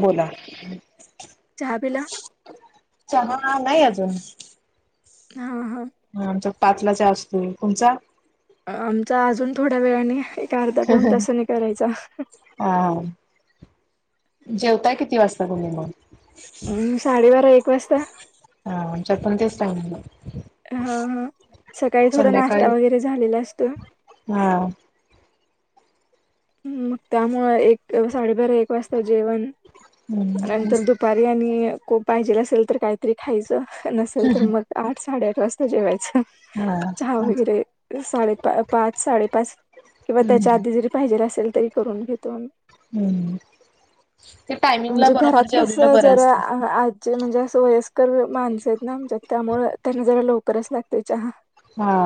बोला चहा पिला चहा. हा नाही अजून. हा हा हां आमच्या त पाचला च्या असतोय तुमचा. आमचा अजून थोड्या वेळाने. करता पण तसं नाही करायचा. हा जेवताय किती वाजता तुमी मग? अं, साडेबारा एक वाजता [unintelligible] हा हा सकाळी थोडा संध्याकाळी नाश्ता वगैरे झालेला असतो. हा ् मग त्यामुळ एक साडेबारा एक वाजता जेवण. हम्म नंतर दुपारी आणि खुप पाहिजेल असेल तर काहीतरी खायचं नसेल तर मग आठ साडेआठ. स्त जेवायच हा चहा वगैरे साडेपा पाच साडेपाच. किंवा हम्म त्याच्या आधी जरी पाहिजेला असेल तरी करून घेतो आम्ही. हम्म ते टायमिंगला म्हणजे घरात बरोबर कस जेवलेलं बरं जरा असतं [unintelligible] ते म्हणजे असं वयस्कर माणस आहेत ना आमच्यात त्यामुळं त्यांना जरा लवकरच लागतो चहा. हा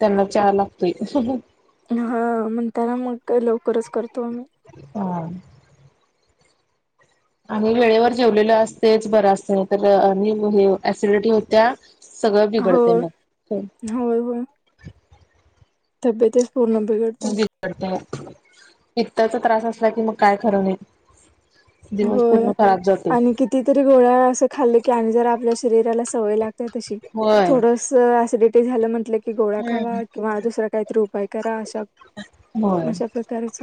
त्यांना चहा लागतोय. हा म्हणताना मग लवकरच करत. हा. आम्ही वेळेवर जेवलेल असतेच बरं असत नाही तर असिडिटी होत्या.. सगळं बिघडतं होय मग. तब्येत बिगडतय पित्ताचा त्रास असला की मग काय खर नाय. होय आणि कितीतरी गोळ्या असं खाल्लं की आणि जर आपल्या शरीराला सवय लागते. त तशी होय. थोडस ऍसिडिटी झालंय म्हटलं कीं कि गोळा्या हम्म. खावा किंवा दुसरा काहीतरी उपाय करा अशा होय अशा प्रकारेच.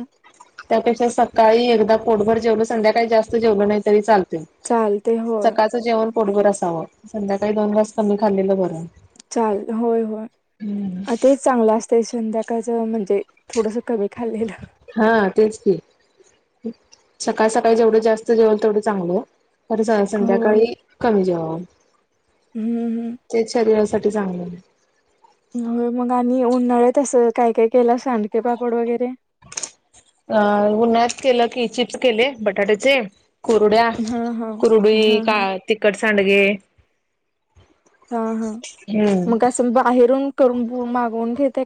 त्यापेक्षा सकाळी एकदा पोटभर जेवलं संध्याकाळी जास्त जेवलं नाही तरी चालत. चालते होय सकाळचं जेवण पोटभर असावं संध्याकाळी दोन तास कमी खाल्लेलं बरं. चाल होय होय हम्म. तेच चांगलं असतं संध्याकाळचं म्हणजे थोडस कमी खाल्लेलं हा तेच कीं. सकाळ सकाळी जेवढं जास्त जेवल तेवढं चांगल. खरं हो. संध्याकाळी कमी जाेवाव. हं, हं. तेच शरीरासाठी चांगलं नाही. मग आणि उन्हाळ्या तसं काय काय केलं सांडगे पापड वगैरे अ उन्हाळ्यात केलं की चिप्स केले बटाट्याचे कुरुड्या हां, हां. कुरुडी हां, का हां. तिखटसांडगे हा हा मग असं बाहेरून करून मागवून घेतय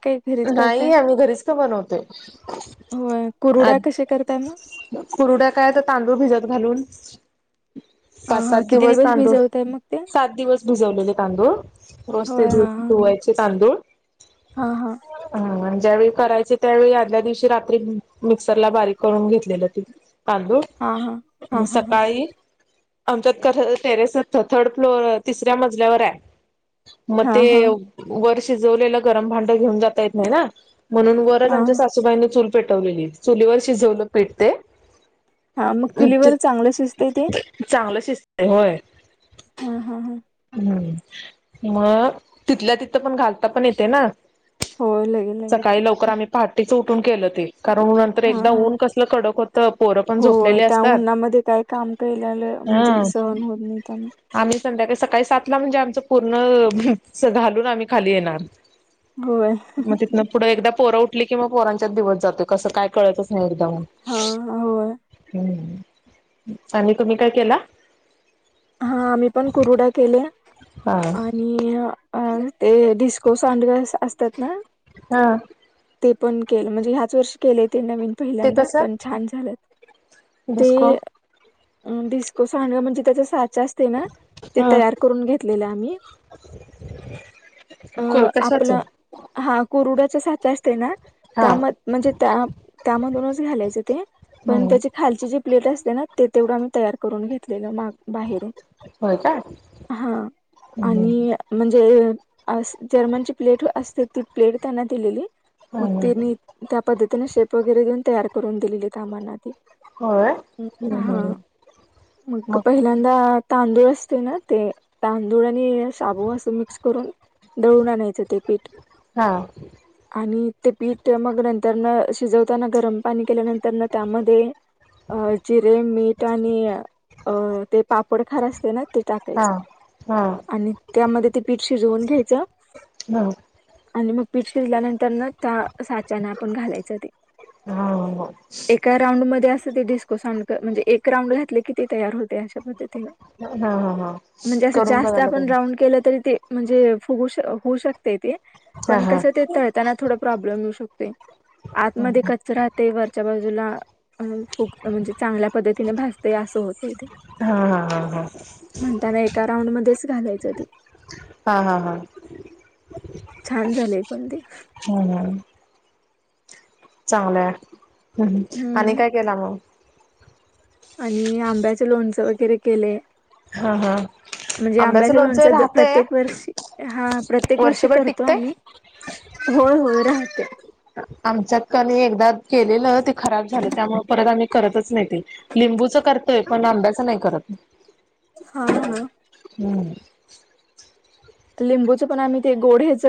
नाही आम्ही घरीच का बनवतो होय. आ कुरुड्या कसे करताय मग? कुरुड्या काय तर तांदूळ भिजत घालून पाच हां, हां. सात किती दिवस तांदूळ भिजवताय मग ते? सात दिवस भिजवलेले तांदूळ रोज ते धु धुवायचे तांदूळ हा हा हा ज्यावेळी करायचे त्यावेळी आदल्या दिवशी रात्री मिक्सरला बारीक करून घेतलेलं ति हां, हां. तांदूळ हां, हां, हां. सकाळी आमच्यात कस टेरेसच थर्ड फ्लोर तिसऱ्या मजल्यावर आहे मग ते हां, हां. वर शिजवलेलं गरम भांडं घेऊन जाता येत नाही ना म्हणून वरच आमच्या हां. सासूबाईने चूल पेटवलेली चुलीवर शिजवलं पीठते हां, मग चुलीवर शिजतंय ते? चांगलं शिजत आहे होय हम हा हा हम् मग तिथल्या तिथ पण घालता पण येते ना होय लगेल लगेल. सकाळी लवकर आम्ही पहाटेच उठून केलं ते कारण नंतर हां, एकदा हां. ऊन कसलं कडक होतं पोरं पण होय. झोपलेली त्या असतात उन्हामध्ये काय काम केलेलं हा म्हणजे सहन होत नाही त्यामुळे. आम संध्याकाळी सकाळी सात ला म्हणजे आमच पूर्ण घालून आम्ही खाली येणार होय मग तिथनं पुढं एकदा पर उठली की मग पोरांच्या दिवस जातोय कसं काय कळतच हा नाही होय म् आणि तुम्ही काय केला हा आम्ही पण कुरुडा केल्या हा आणि अ ते डिस्को सांडगा असतात ना हा ते पण केलं म्हणजे ह्याच वर्षी केले ते नवीन ते पहिल्यांदा पण कसं छान झालं ते डिस्को अ डिस्को सांडगा म्हणजे त्याच्या ह कतरुन घेतलेल आम्ही अ कशाच आपला हा कुरुडाच्या साचा असते ना हा त्याम म्हणजे त्या त्यामधूनच घालायचं ते पण त्याची खालची जी प्लेट असते ना ते तेवढा मी तयार करून घेतलेलं माग बाहेर होय का हा हम्म आणि म्हणजे अस जर्मनची प्लेट असते ती प्लेट त्यांना दिलेली मग हम्म तनी त्या पद्ती शेप वगैरे देऊन तयार करून दिलेली कामनाी होय हम्म हा हम्म मगं मग पहिल्यांदा- तांदूळ असतना ते तांदूळ. शाबू असं मिक्स करून दळून आणायचं ते पीठ. हा आणि ते पीठ मग नंतरना. शिजवताना गरम पाणी केल्यानंतर त्यामध्ये- अ जिरे, मीठ आणि अ ते पापड खार असते ना. हा टाकायचं हा आणि त्यामध्ये ते पीठ शिजवून घ्यायचं. ह आणि मग पीठ शिजल्यानंतर न त्या साचेन. आपण घालायचं ते. हा हा एका राऊंड मध्ये अस ते डिस्को साडंग म्हणजे एक राऊंड घातले किती तयार होते. [unintelligible] त हा हा हा म्हणजे असं करून जास्त बघायला आपण पाहिजे राऊंड केलं तरी ते. म्हणजे फुगू होऊ शकते ते. हा पण हा कसं ते तळताना थोड प्रॉब्लेम येऊ शकतोय आत हा मध्ये कच्च. च्या बाजूला फुक्त म्हणजे चांगल्या पद्धतीने भाजतंय असं होतंय ते हा हा म्हणताना एका राऊंड मध्येच घालायचं ते. हा हा हा. छान झालेय पण ते. चांगलंय ह आणि हम्म काय केला मग. आणि आंब्याचे लोणच वगैरे केले. हा हा. म्हणजे आंब्याच आंब्याचं लोणचं लोनच राहतय प्रत्येक वर्षी हा प्रत्येक वर्षी वर्षभर करतो टिकतय आम्ही. होय होय राहते. आमच्यात काल एकदा केलेलं ते खराब झालं त्यामुळे परत आम्ही. करतच नाही ते लिंबूच करतोय पण आंब्याच नाही करत. हा हा. हम. लिंबूच पण आम्ही ते गोड हेच.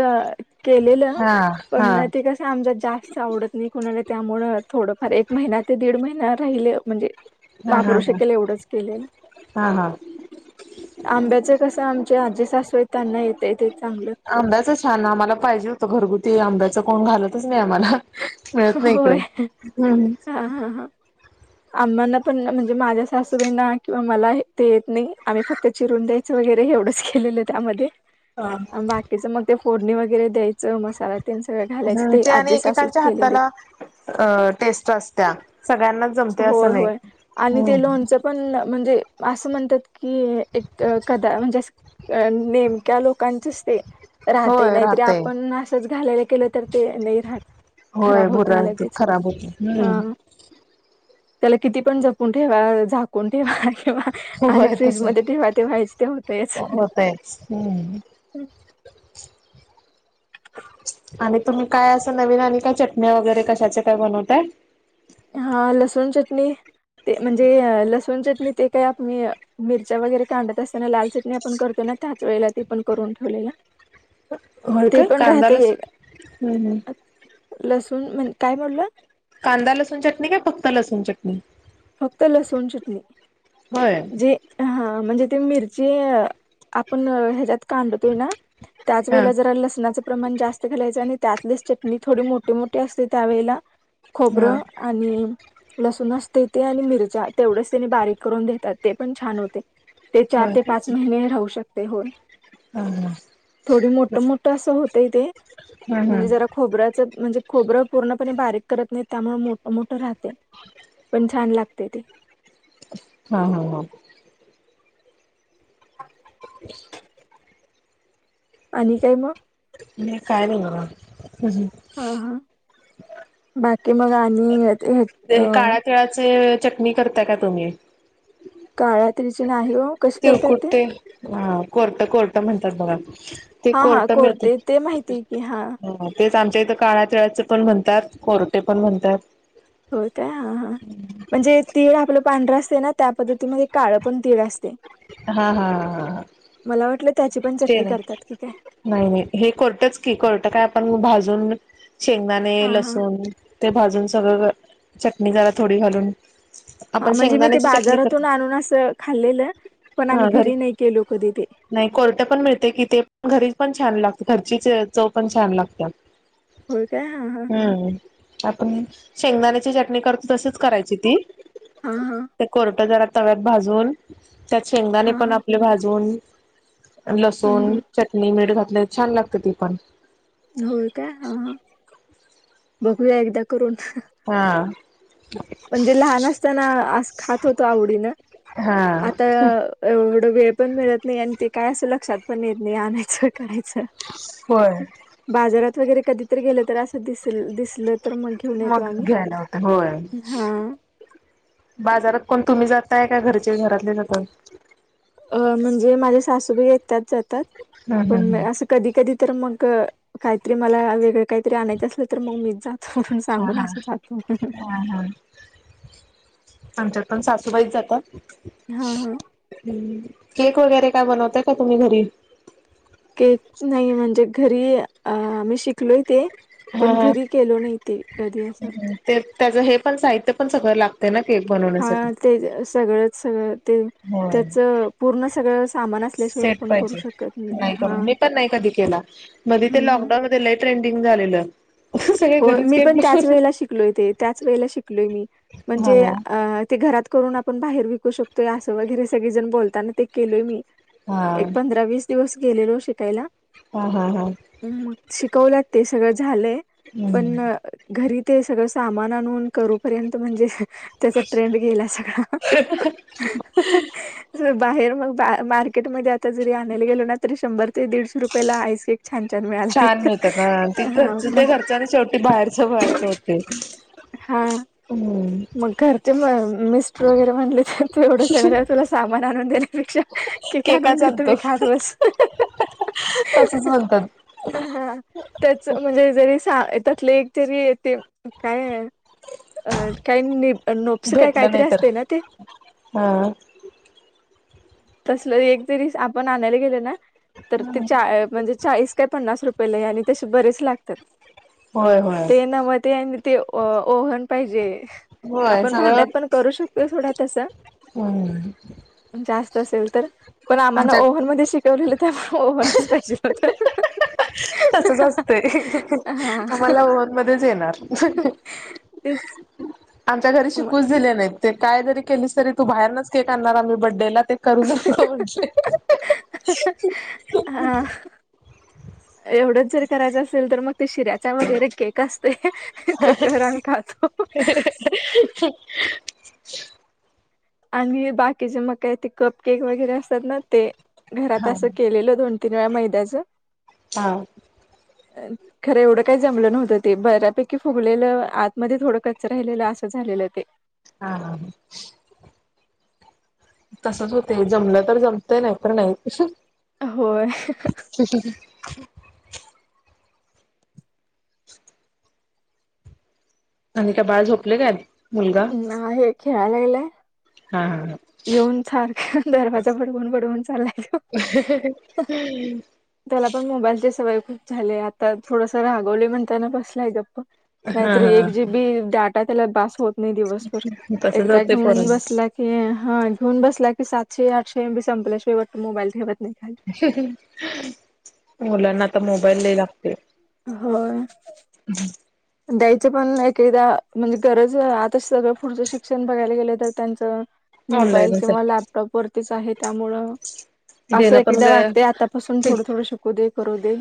केलेलं हा हा पण ते कस आमच्या जास्त आवडत नाही कोणाला. त्यामुं थोडंफार एक महिना ते दीड महिना राहिले म्हणजे. हा हा महापुरुष हा केले एवढंच केलेल. हा हा आंब्याच कस आमचे आजी सासवय. अंब्याच छान आम्हाला पाहिजे होत घरगुती. आंब्याच कोण घालतच नाही आम्हाला मिळत नाही होय. इकडे हम हम. आंब्यांना पण म्हणजे माझ्या सासूबाईंना किंवा मला ते येत नाही आम्ही फक्त चिरून द्यायचं वगैरे. वैरेवढंच केले त्यामध्ये बाकीच मग ते फोडणी वगरे द्यायचं मसाला. त्यां सगळं घालायचं हम्म ते आणि आजी असूच एकेकांच्या केलेले. हाताला अ टेस्ट असत्या सगळ्यांनाच जमते होय असं नाही होय आणि ते हम्म लोनच पण म्हणजे. असं म्हणतात की एक कदा म्हणजे नेमक्या लोकांचच ते. राहतय होय नाहीतरी राहतय आपण असंच घालायला केलं तर ते नाही राहत. होय खराब भुरळ होतय येतोय त लगेच खराब होत हा हम् त्याला किती पण जपून ठेवा झाकून ठेवा. आणि होय फ्रीज तस मध्ये ठेवा ते व्हायच ते होतच. होतयच हम्म हम. आणि तुम्ही काय असं नवीन आणि काय चटणी वगैरे कशाचे काय बनवताय. हा लसूण चटणी ते म्हणजे लसूण चटणी. ते काय आप मिरच्या वगैरे काांढत असताना लाल चटणी आपण करतो ना त्याच वेळेला ते पण करून ठेवलेल्या. होय काय कांदालाच हम हम. लसूण म्हण काय बोलला. कांदा लसूण चटणी का फक्त लसूण चटणी. फक्त लसोण चटणी. होय. जे हा म्हणजे ती मिरची आपण ह्याच्यात कढतोय ना. त्याच हा वेळे जरा लसणाचं प्रमाण जास्त घालायचं, आणि त्यातलेच चटणी थोडी मोठे मोठी असते, त्यावेेळेला हा खोबरं आणि लसूण असते तेे आणि मिरच्या तेवढेच त्यानी बारीक करून देतात, ते पण छान होते. ते चार होय ते पाच महिने राहू शकते, होय हा हा थोडी हा मोठ मोठ असं होत. हा म्हणे ज खोब्या [unintelligible] म्हणजे खोबरं पूर्णप बारीक करत नाही त्यामुळे मोठ मोठ राहते. पण छान लागते ते. हा हा हा. [inaudible] आणि काय मग. मी काय नाही हा हा बघा. बाकी मग आणि अ. ते काळ्या तिळाचे चटणी करताय का तुम्ही. काळ्यात्रीची नाही ओ कशी ते करतात कुठे हा कोर्ट कोर्ट म्हणतात बघ ते हा हा कोर्ट मिळते. कोरटे ते कि हा हा तेच आमच्या इथं काळ तिळाचं पण म्हणतात कोरटे पण म्हणतात. होय काय हा हा म्हणजे तिळ आपलं पांढरा असते ना त्या पद्धतीमध्ये काळ पण तिळ असते. हा हा हा मला वाटलं त्याची पण ते चटणी नाही करतात की काय नाही नाही हे कोरटच की कोरट काय आपण भाजुन दोन शेंगदाने हा हा लसून ते भाजून सगळं चटणी जरा थोडी घालून. हा आपण म्हणजे मी ते शेंगदाण्याची चटणी बाजारातून करतो आणून असं खाल्लेलं. पण हा आम्ही घरी नाही केलो कधी ते नाही कोरट पण मिळते कि ते पण घरी छान लागते. घरचीच चव पण छान लागतात होय काय हा हा हम्म आपण शेंगदाण्याची चटणी करतो तशीच करायची ती हा हा ते कोरटं जरा तव्यात भाजून त्यात शेंगदाणे हा पण हा आपले भाजून हम्म लसुण हम्म चटणी मीठ घात लय‌ छान लागत ती पण. होय काय हा हा बघूया एकदा करून. हा म्हणजे लहान असताना आस खात होतो आवडी न हा आता अ ऐव वेळ पण मिळत नाही आणि ते काय असं लक्षात पण येत नाही आणयचं कि नाही होय चला बाजारात वगैरे कधीतरी गेलं तर असं दिसल दिसल म घ्यायला होत होय हा बाजारात कोण तुम्ही जातय. त्या घरचे घरातले जातात. अ म्हणजे माझ्या सासू बाई आहे त्या जातात हम् हम् पण ह अस कधी कधी तर मग काहीतरी मला वेगळं काहीतरी आणायचं असल तर मग मीच जातो म्हणून हा सांगून हा असं जातो. हा हा आमच्यात पण सासूबाईच जातात. हा हा. केक वगैरे काय बनवताय का तुम्ही घरी. केक नाही म्हणजे घरी अ आम्ही शिकलो ते हा पण हा घरी केलो नाही ते कधी असं. ते त्याचं हे पण साहित्य पण सगळं लागत ना. केक हा बनवण्यासाठी. ते सगळंच सगळ ते. होय त्याच पूर्ण सगळं सामान असल्याशिवाय सेट आपण करू पाहिजे शकत नाही करून हा. मी पण नाही कधी केला मध्ये ते हम्म लॉकडाऊन मध्ये लय ट्रेंडिंग झालेलं. सगळे हो घरीच मी केक पण बनवत त्याचवेळ शिकलोय ते त्याच वेळेला शिकलोय मी म्हणजे हा अ ते घरात करून आपण बाहेर विकू शकतोय असं वगैरे सगळे जण बोलताना ते केलोय मी हा एक पंधरा वीस दिवस गेलेलो शिकायला हा हा हा मग शिकवल ते सगळं झालंय पण हम्म घरी ते सगळं सामान आणु करू पर्यंत म्हणजे त्याचा ट्रेंड गेला सगळा बाहेर मग बा मार्केटमध्ये आता जरी आणायला गेलो ना तरी शंभर ते दीडशे रुपयाला आहेच ते छान मिळतात ना हा तिथच मग ते घरचं आणि शेवटी बाहेरच बाहेर होते. हा हम्म मग घरचे म मिस्टर वगैरे म्हणले ते तू एवढं सगळे तुला सामान आणून दे. त्यापेक्षा कि केका घालुन देतो चालतो ऐखाद वेळेस तसच म्हणतात हा त्याच म्हणजे जरी हा त्यातले एक तरी ते काय आहे अ काहींनी नोप्स ते काय भेटलं काहीतरी नाही तर. असते ना ते हा तसलं एक तरी आपण आणायला गेले ना, तर ते चा म्हणजे चाळीस काय पन्नास रुपये लई आलेत आणि तसे बरेच लागतात. होय होय ते ना म ते ते ओव्हन पाहिजे. होय आपण सगळं भांड्यात पण करू शकतो, थोडा तस हम्म जास्त असेल तर पण आम्हाला आमच्यात ओव्हन मध्ये शिकवलेलं तर त्यामुळे ओव्हनच पाहिजे होत. तसंच असतंय हा आम्हाला ओव्हन मध्येच येणार, ह आमच्या घरी शिकूच दिले नाहीत. ते काय जरी केलीस तरी तू बाहेरनच केक आणणार आम्ही बर्थडेला ते करू नको, म्हणजे हा एवढंच जर करायचं असेल तर मग ते शिऱ्याच्या वैगरे केक असते. तो करून खातो. [unintelligible] आणि बाकीचे मग काही ते कप केक वगैरे असतात ना ते घरात हा असं केलेलं दोन बिना मैदाचे हा खरं एवढं काही जमलं नव्हतं ते बऱ्यापैकी फुगलेलं आत मध्ये थोडं, कच्च राहिलेलं असं झालेलं ते, हा. तसच होते जमलं तर जमत नाही तर नाही होय [inaudible] आणि का बाळ झोपलेलय? हा हे खेळाय लागेले. हा हा येऊन सारखा दरवाजा बडवून बडवून चाललाय तो, त्याला पण मोबाईलची सवय खूप झाले आता थोडस रागवली म्हणताना बसलाय गप् हा नाहीतरी हा एक जी बी डाटा त्याला बास होत नाही दिवसभर तसच एकदा होते घेऊन पोरांना बसला की, हा घेऊन बसला की सातशे आठशे एम बी संपल्यशिवाय मोबाईल ठेवत नाही खाली. मुलांना आता मोबाईल द्यायला लागतो. होय. [unintelligible] द्यायचं पण एकेदा म्हणजे गरज आता सगळं पुढचं शिक्षण बघायला गेलं तर त्यांचं मोबाईल ऑनलाईनच किंवा आहे लॅपटॉप वर अस आहे त्यामुळे अस देणं पण एकदा वाटत ग आतापासून थोडं थोडं शिकू दे. करु दे.